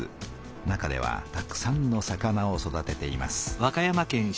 中ではたくさんの魚を育てています。